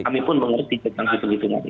kami pun mengerti